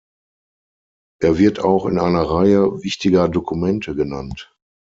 Er wird auch in einer Reihe wichtiger Dokumente genannt.